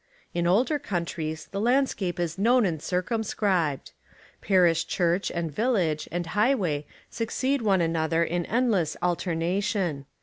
In older countries the land scape is known and circumscribed. Parish church, and village, and highway succeed one another in endless alternation.